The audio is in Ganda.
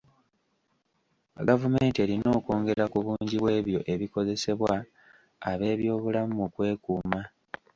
Gavumenti erina okwongera ku bungi bw'ebyo ebikozesebwa ab'ebyobulamu mu kwekuuma